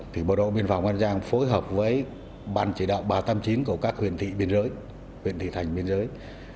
thì bộ đội biên phòng an giang phối hợp với ban chỉ đạo ba trăm tám mươi chín của các huyền thị biên giới huyện thị thành biên giới